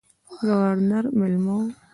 د ګورنر مېلمه وم.